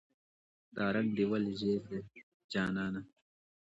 "دا رنګ دې ولې زیړ دی جانانه".